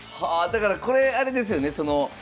だからこれあれですよね。